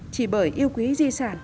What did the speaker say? chỉ bởi yêu quý di sản